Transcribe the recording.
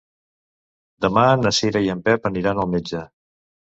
Demà na Cira i en Pep aniran al metge.